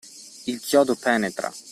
Il chiodo penetra!